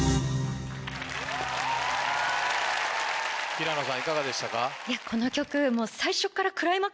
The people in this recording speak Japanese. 平野さんいかがでしたか？